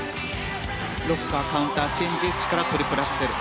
ロッカーカウンターチェンジエッジからトリプルアクセル。